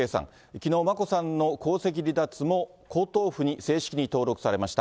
きのう、眞子さんの皇籍離脱も皇統譜に正式に登録されました。